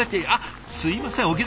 あっすいません